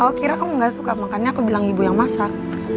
oh kira kamu gak suka makannya aku bilang ibu yang masak